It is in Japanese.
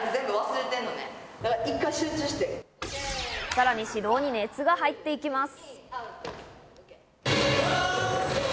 さらに指導に熱が入っていきます。